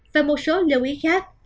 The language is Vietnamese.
và một số lưu ý khác